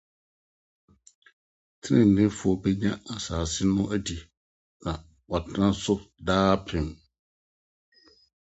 Treneefo benya asase no adi, na wɔatra so daapem.